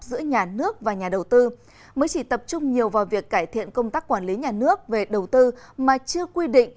giữa nhà nước và nhà đầu tư mới chỉ tập trung nhiều vào việc cải thiện công tác quản lý nhà nước về đầu tư mà chưa quy định